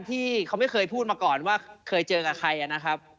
ที่เขาไม่เคยพูดมาก่อนว่าเคยเจอกับใครนะครับ